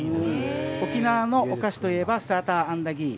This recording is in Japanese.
沖縄のお菓子といえばサーターアンダギー。